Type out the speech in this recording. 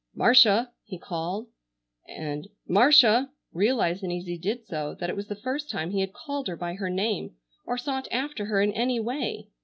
"Marcia!" he called,—and "Marcia!" realizing as he did so that it was the first time he had called her by her name, or sought after her in any way.